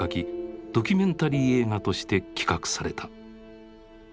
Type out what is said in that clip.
ドキュメンタリー映画として企画された。